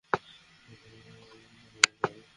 তিনি ব্যতীত আর কোন ইলাহ নেই।